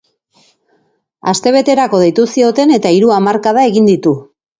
Astebeterako deitu zioten eta hiru hamarkada egin ditu.